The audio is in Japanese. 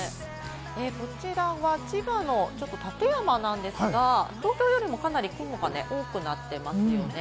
こちらは千葉の館山なんですが、東京よりかなり雲が多くなってますよね。